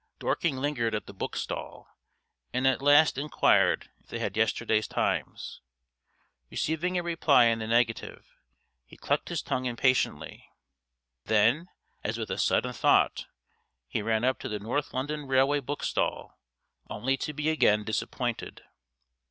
Dorking lingered at the book stall, and at last enquired if they had yesterday's Times. Receiving a reply in the negative, he clucked his tongue impatiently. Then, as with a sudden thought, he ran up to the North London Railway book stall, only to be again disappointed.